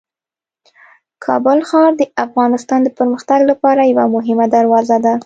کابل ښار د افغانستان د پرمختګ لپاره یوه مهمه دروازه ده.